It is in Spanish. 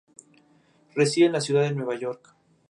Reside en la ciudad de Nueva York.